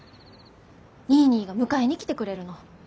ニーニーが迎えに来てくれるの。